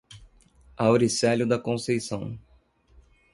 Auricelio da Conceicao